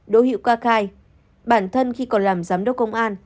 đỗ hiệu ca khai bản thân khi còn làm giám đốc công an